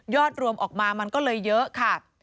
รวมออกมามันก็เลยเยอะค่ะ